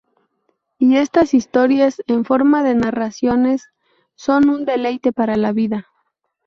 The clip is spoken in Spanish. Y estas historias en forma de narraciones son un deleite para la vida.